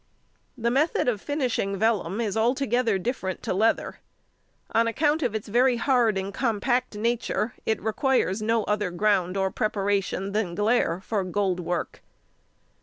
The method of finishing vellum is altogether different to leather. On account of its very hard and compact nature, it requires no other ground or preparation than glaire for gold work.